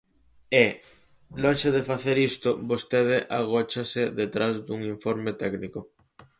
E, lonxe de facer isto, vostede agóchase detrás dun informe técnico.